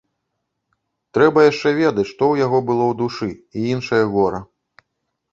Трэба яшчэ ведаць, што ў яго было ў душы і іншае гора.